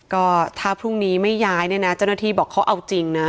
ก็ถ้าพรุ่งนี้ไม่ย้ายเนี่ยนะเจ้าหน้าที่บอกเขาเอาจริงนะ